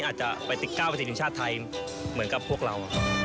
อาจจะไปติดก้าวไปติดทีมชาติไทยเหมือนกับพวกเรา